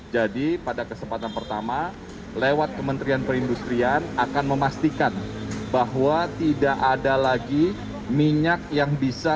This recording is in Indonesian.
jadi pada kesempatan pertama lewat kementerian perindustrian akan memastikan bahwa tidak ada lagi minyak yang bisa